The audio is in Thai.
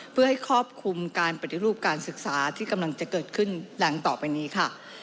เพื่อให้ครอบคลุมการปฏิรูปการศึกษาที่กำลังจะเกิดขึ้นดังต่อไปนี้ค่ะ